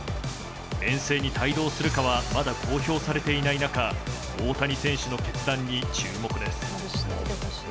遠征に帯同するかはまだ公表されていない中大谷選手の決断に注目です。